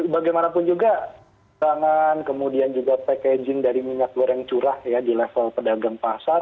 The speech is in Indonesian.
bagaimanapun juga pangan kemudian juga packaging dari minyak goreng curah ya di level pedagang pasar